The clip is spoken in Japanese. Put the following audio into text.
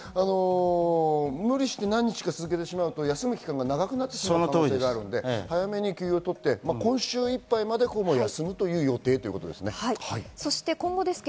無理して何日か続けてしまうと休む時間が長くなってしまうので、早めに休養を取って今週いっぱいまで、公務を休む予定ということですね。